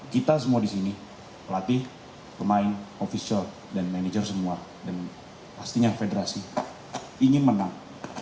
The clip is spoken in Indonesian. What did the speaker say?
kita semua disini pelatih pemain official dan manager semua dan pastinya federasi ingin menang